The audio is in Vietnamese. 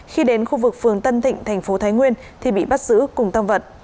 khi đến khu vực phường tân thịnh tp thái nguyên thì bị bắt giữ cùng tăng vật